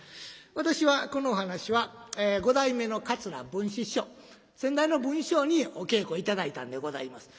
私はこのお噺は五代目の桂文枝師匠先代の文枝師匠にお稽古頂いたんでございます。